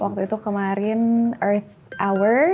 waktu itu kemarin earth hour